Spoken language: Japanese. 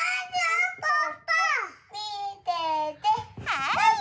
はい！